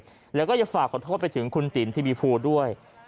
ทุกคนเหมือนเดิมแล้วก็อย่าฝากขอโทษไปถึงคุณติ๋มที่บีภูดด้วย